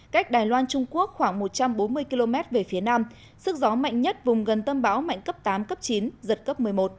cách đài loan trung quốc khoảng một trăm bốn mươi km về phía nam sức gió mạnh nhất vùng gần tâm bão mạnh cấp tám cấp chín giật cấp một mươi một